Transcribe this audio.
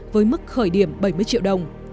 với mức khởi điểm bảy mươi triệu đồng